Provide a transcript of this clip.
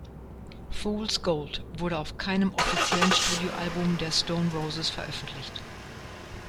Fools Gold wurde auf keinem offiziellen Studioalbum der Stone Roses veröffentlicht.